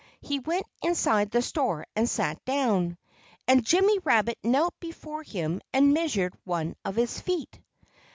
He went inside the store and sat down. And Jimmy Rabbit knelt before him and measured one of his feet.